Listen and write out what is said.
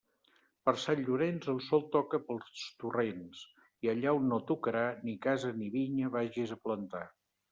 Per Sant Llorenç, el sol toca pels torrents, i allà on no tocarà, ni casa ni vinya vagis a plantar.